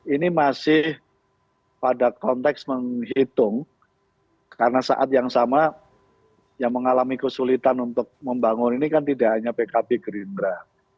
ini masih pada konteks menghitung karena saat yang sama yang mengalami kesulitan untuk membangun ini kan tidak hanya pkb gerindra